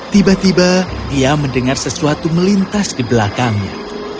tiba tiba dia mendengar sesuatu melintas di belakangnya